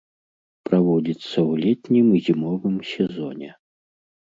Праводзіцца ў летнім і зімовым сезоне.